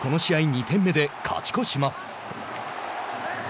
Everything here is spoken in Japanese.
２点目で勝ち越します。